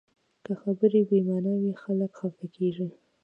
که خبرې بې معنا وي، خلک خفه کېږي